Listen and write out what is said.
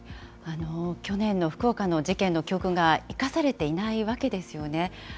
去年の福岡の事件の教訓が生かされていないわけですよね。